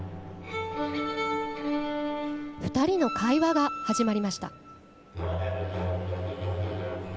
２人の会話が始まりました。